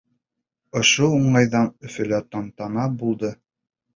Ошо уңайҙан Өфөлә тантана булды.